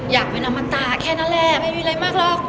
อยากเป็นอมตาแค่นั้นแหละไม่มีอะไรมากหรอก